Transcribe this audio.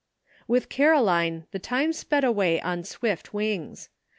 With Caroline the time sped away on swift wings.